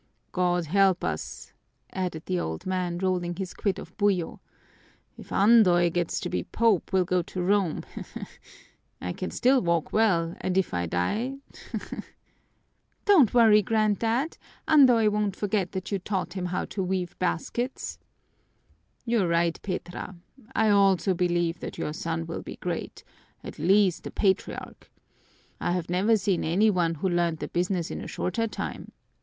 "God help us!" added the old man, rolling his quid of buyo. "If Andoy gets to be Pope we'll go to Rome he, he! I can still walk well, and if I die he, he!" "Don't worry, granddad! Andoy won't forget that you taught him how to weave baskets." "You're right, Petra. I also believe that your son will be great, at least a patriarch. I have never seen any one who learned the business in a shorter time.